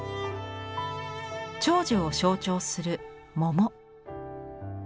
長寿を象徴する桃。